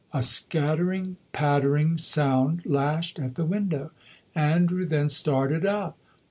A scattering, pattering sound lashed at the window. Andrew then started up.